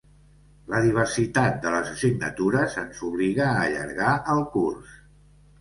La diversitat de les assignatures ens obliga a allargar el curs.